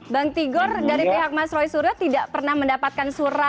bang tigor dari pihak mas roy suryo tidak pernah mendapatkan surat